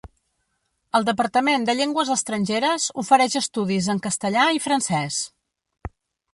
El Departament de Llengües Estrangeres ofereix estudis en castellà i francès.